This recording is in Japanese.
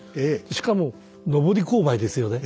しかも上り勾配ですよね。